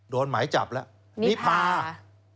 โดนหมายจับแล้วมีพามีพา